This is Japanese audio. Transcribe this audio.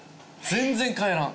全然帰らん！